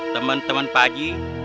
teman teman pak ji